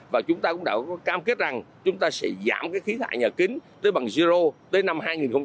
và chúng ta cũng đã có cam kết rằng chúng ta sẽ giảm khí thải nhà kính tới bằng zero tới năm hai nghìn năm mươi